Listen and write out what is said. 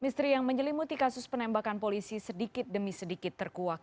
misteri yang menyelimuti kasus penembakan polisi sedikit demi sedikit terkuak